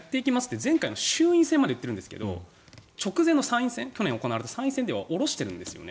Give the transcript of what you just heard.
前回の衆院選でも言っているんですが直前の、去年行われた参院選では下ろしてるんですね。